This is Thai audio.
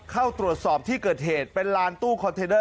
เข้าตรวจสอบที่เกิดเหตุเป็นลานตู้คอนเทนเดอร์